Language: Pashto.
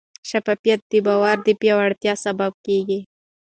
شفافیت د باور د پیاوړتیا سبب کېږي.